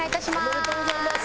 おめでとうございます！